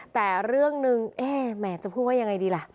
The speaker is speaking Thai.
แต่เรื่องหนึ่งแหมจะพูดว่ายังไงดีล่ะ